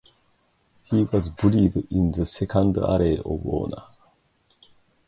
He was buried in the Second Alley of Honor.